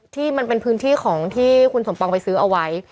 ที่มันเป็นพื้นที่ของที่คุณสมปองไปซื้อเอาไว้